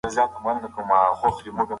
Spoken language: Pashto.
د نورو د خبرو د فلسفې په اړه د پوهیدو حق سته.